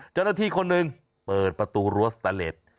เจ้าหน้าที่คนหนึ่งเปิดประตูรั้วสแตนเลส